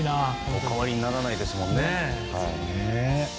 お変わりにならないですもんね。